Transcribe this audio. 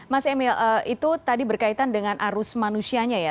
mas emil itu tadi berkaitan dengan arus manusianya ya